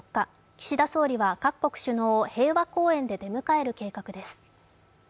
岸田総理は各国首脳を平和公園で出迎える計画です。